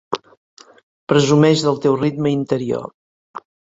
Presumeix del teu ritme interior.